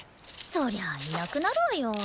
そりゃいなくなるわよ。